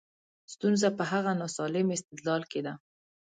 ستونزه په هغه ناسم استدلال کې ده.